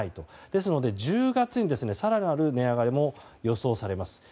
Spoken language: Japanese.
ですので１０月に更なる値上げも予想されます。